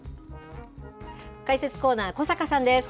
解説コーナー、小坂さんです。